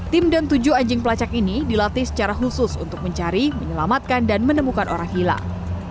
tim dan tujuh anjing pelacak ini dilatih secara khusus untuk mencari menyelamatkan dan menemukan orang hilang